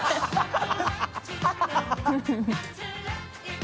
ハハハ